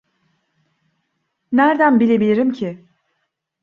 Nerden bilebilirim ki?